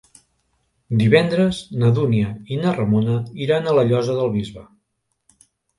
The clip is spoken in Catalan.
Divendres na Dúnia i na Ramona iran a la Llosa del Bisbe.